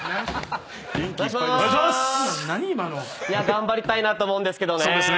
頑張りたいなと思うんですけどね。